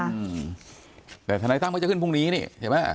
อืมแต่ถนัยตั้งก็จะขึ้นพรุ่งนี้เนี่ยใช่ไหม